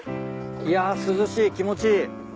いや涼しい気持ちいい。